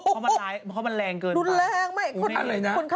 โอ้โฮเพราะมันแรงเกินค่ะ